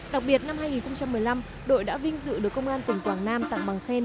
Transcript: đặc biệt năm hai nghìn một mươi năm đội đã vinh dự được công an tỉnh quảng nam tặng bằng khen